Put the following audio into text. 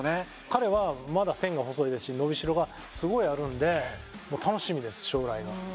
彼はまだ線が細いし伸びしろがすごいあるんで楽しみです、将来が。